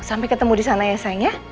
sampai ketemu di sana ya sayang ya